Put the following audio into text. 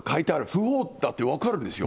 訃報って分かるんですよ。